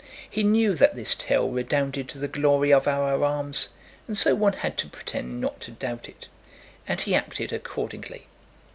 He knew that this tale redounded to the glory of our arms and so one had to pretend not to doubt it. And he acted accordingly.